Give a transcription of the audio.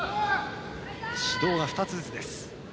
指導は２つずつです。